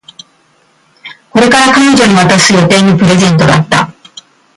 これから彼女に渡す予定のプレゼントだった